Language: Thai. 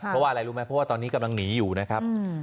เพราะว่าอะไรรู้ไหมเพราะว่าตอนนี้กำลังหนีอยู่นะครับ